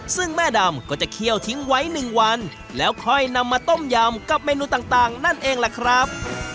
ซึ่งแม่ดำก็จะเคี่ยวทิ้งไว้๑วันแล้วค่อยนำมาต้มยำกับเมนูต่างนั่นเองล่ะครับ